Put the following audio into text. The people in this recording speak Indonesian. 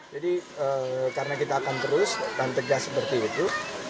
jadi karena kita akan terus dan tegas seperti itu